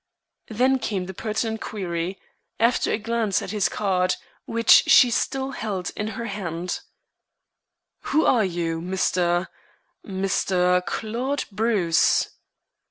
Then came the pertinent query, after a glance at his card, which she still held in her hand: "Who are you, Mr. Mr. Claude Bruce?"